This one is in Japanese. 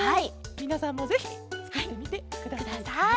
みなさんもぜひつくってみてくださいケロ。